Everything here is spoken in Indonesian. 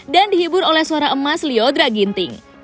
dan dihibur oleh suara emas lyodra ginting